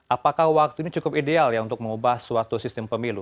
apakah waktu ini cukup ideal ya untuk mengubah suatu sistem pemilu